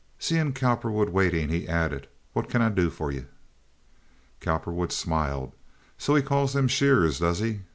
Seeing Cowperwood waiting, he added, "What kin I do for ye?" Cowperwood smiled. "So he calls them 'sheers,' does he?"